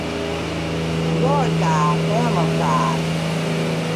Lord God, Lamb of God